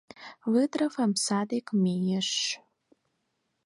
Выдров омса дек мийыш.